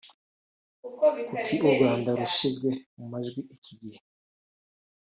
kuki U Rwanda rushyizwe mu majwi iki gihe